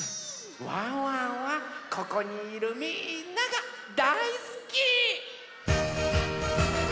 ワンワンはここにいるみんながだいすき！